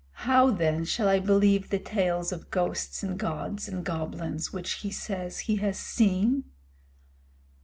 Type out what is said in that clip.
How, then, shall I believe the tales of ghosts and gods and goblins which he says he has seen?"